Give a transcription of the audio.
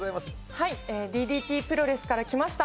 はいＤＤＴプロレスから来ました